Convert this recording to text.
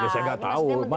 ya saya gak tahu